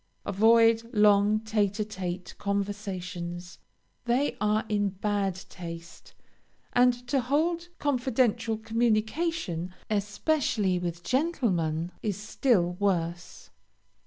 Avoid long tête à tête conversations; they are in bad taste, and to hold confidential communication, especially with gentlemen, is still worse.